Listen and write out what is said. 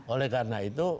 oleh karena itu